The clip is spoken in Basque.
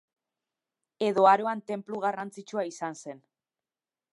Edo Aroan tenplu garrantzitsua izan zen.